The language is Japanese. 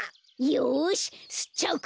よしすっちゃう